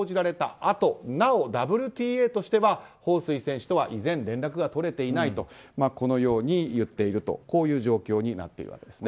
あとなおＷＴＡとしてはホウ・スイ選手としては以前連絡が取れてないとこのように言っているとこういう状況になっているわけですね。